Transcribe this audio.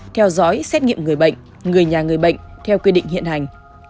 theo dõi xét nghiệm người bệnh người nhà người bệnh theo quy định hiện hành